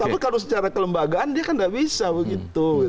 tapi kalau secara kelembagaan dia kan nggak bisa begitu